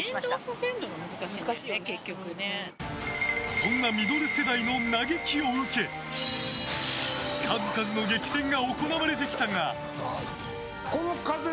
そんなミドル世代の嘆きを受け数々の激戦が行われてきたが。